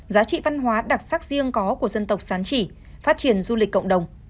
giá trị văn hóa đặc sắc riêng có của dân tộc sán chỉ phát triển du lịch cộng đồng